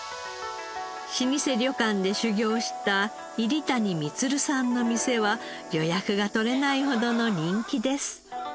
老舗旅館で修業した入谷充さんの店は予約が取れないほどの人気です。